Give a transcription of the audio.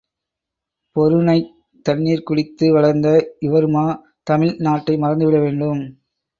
பொருநைத் தண்ணீர் குடித்து வளர்ந்த இவருமா தமிழ் நாட்டை மறந்துவிட வேண்டும்?